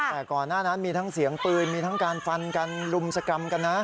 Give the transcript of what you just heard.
แต่ก่อนหน้านั้นมีทั้งเสียงปืนมีทั้งการฟันกันรุมสกรรมกันนะ